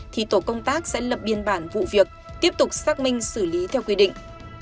thì tổ công tác sẽ lập biên bản vụ việc tiếp tục xác minh xử lý theo quy định